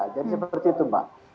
jadi seperti itu mbak